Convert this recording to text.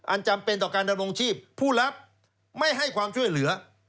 อันจำเป็นต่อการดำรงชีพผู้รับไม่ให้ความช่วยเหลือ